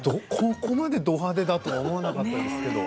ここまでど派手だとは思わなかったです。